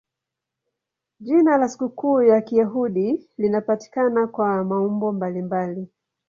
Jina la sikukuu ya Kiyahudi linapatikana kwa maumbo mbalimbali.